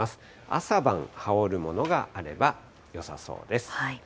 朝晩、羽織るものがあればよさそうです。